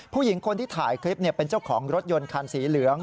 ผู้หญิงคนที่ถ่ายคลิปเป็นเจ้าของรถยนต์คันสีเหลือง